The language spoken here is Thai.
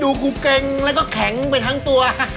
กูเกร็งแล้วก็แข็งไปทั้งตัว